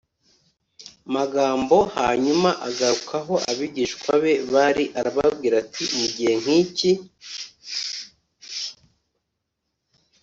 magambo Hanyuma agaruka aho abigishwa be bari arababwira ati mu gihe nk iki